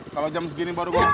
kalau jam segini baru mau kemaris